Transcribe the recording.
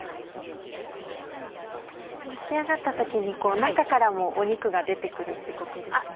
では仕上がった時に中からも肉が出て来るってことですね。